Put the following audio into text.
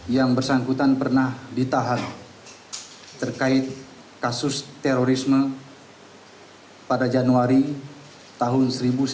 yang bersangkutan pernah ditahan terkait kasus terorisme pada januari tahun seribu sembilan ratus sembilan puluh